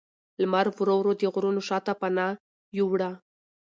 لمر ورو ورو د غرونو شا ته پناه یووړه